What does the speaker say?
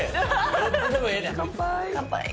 どっちでもええで。